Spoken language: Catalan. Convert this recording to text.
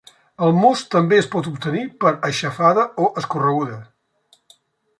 El most també es pot obtenir per aixafada o escorreguda.